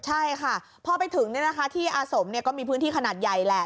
ใช่ค่ะพอไปถึงที่อาสมก็มีพื้นที่ขนาดใหญ่แหละ